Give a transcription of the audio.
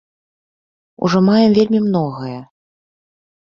Ужо маем вельмі многае.